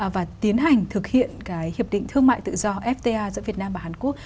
và tiến hành thực hiện hiệp định thương mại tự do fta giữa việt nam và hàn quốc